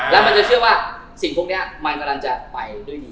แล้วมันจะเชื่อว่าสิ่งพวกนี้มันกำลังจะไปด้วยนี้